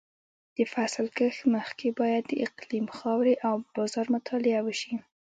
د فصل کښت مخکې باید د اقلیم، خاورې او بازار مطالعه وشي.